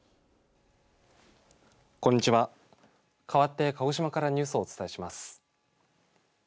かわって鹿児島からニュースをお伝えします。